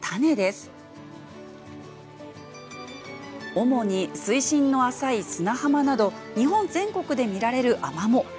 主に水深の浅い砂浜など日本全国で見られるアマモ。